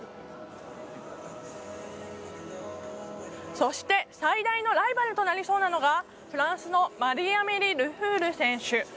そして、最大のライバルとなりそうなのがフランスのマリーアメリ・ルフュール選手。